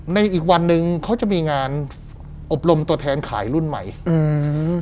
อีกวันหนึ่งเขาจะมีงานอบรมตัวแทนขายรุ่นใหม่อืม